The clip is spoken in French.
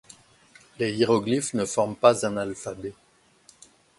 Les hiéroglyphes ne forment pas un alphabet.